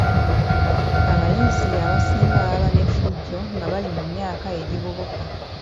Abayizi abasinga baba n'effujjo nga bali mu myaka egivubuka.